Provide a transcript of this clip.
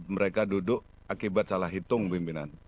mereka duduk akibat salah hitung pimpinan